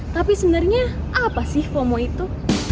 tapi sebenarnya apa sih fomo itu